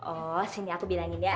oh sini aku bilangin ya